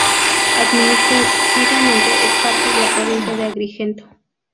Administrativamente es parte de la provincia de Agrigento.